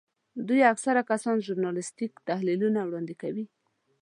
دوی اکثره کسان ژورنالیستیک تحلیلونه وړاندې کوي.